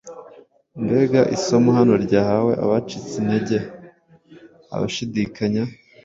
Mbega isomo hano ryahawe abacitse intege, abashidikanya,